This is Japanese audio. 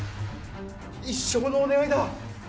一生のお願いだ！